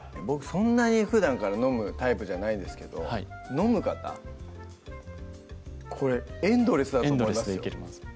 そんなにふだんから飲むタイプじゃないですけど飲む方これエンドレスだと思いますよ